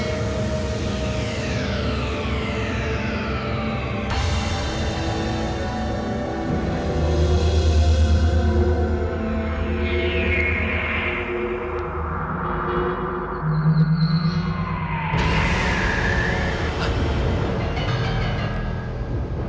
setiap malam jumat kliwon